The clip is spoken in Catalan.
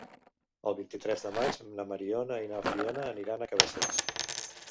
El vint-i-tres de maig na Mariona i na Fiona aniran a Cabacés.